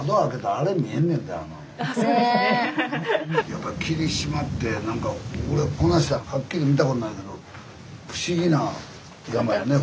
やっぱ霧島ってなんか俺こないしてはっきり見たことないけど不思議な山やね。